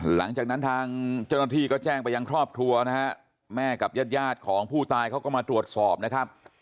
หลังจากนั้นทางเจ้าหน้าที่ก็แจ้งไปยังครอบครัวนะฮะแม่กับญาติยาดของผู้ตายเขาก็มาตรวจสอบนะครับ